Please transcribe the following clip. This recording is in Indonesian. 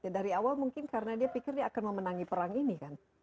dari awal mungkin karena dia pikir dia akan memenangi perang ini kan